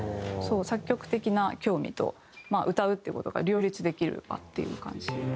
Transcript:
作曲的な興味とまあ歌うっていう事が両立できる場っていう感じ。